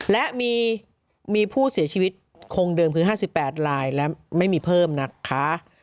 และมีผู้เสียชีวิตคงเดิมคือ๕๘ลายและไม่มีเพิ่มนะคะ